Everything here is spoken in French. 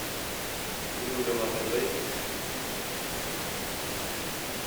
Vous me le rappellerez ?